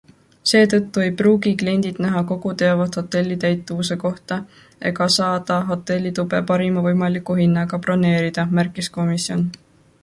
Seetõttu ei pruugi kliendid näha kogu teavet hotelli täituvuse kohta ega saada hotellitube parima võimaliku hinnaga broneerida, märkis Komisjon.